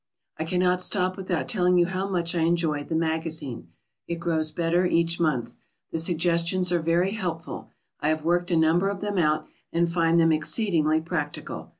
I cannot stop without telling you how much I enjoy the MAGAZINE. It grows better each month. The suggestions are very helpful. I have worked a number of them out, and find them exceedingly practical.